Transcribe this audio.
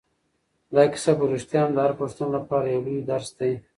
دا کیسه په رښتیا هم د هر پښتون لپاره یو لوی درس دی.